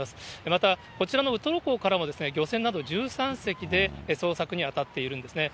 またこちらのウトロ港からも、漁船など１３隻で捜索に当たっているんですね。